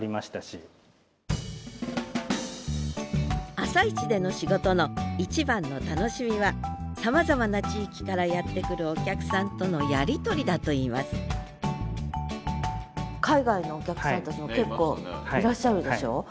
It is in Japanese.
朝市での仕事の一番の楽しみはさまざまな地域からやって来るお客さんとのやり取りだといいます海外のお客さんたちも結構いらっしゃるでしょ？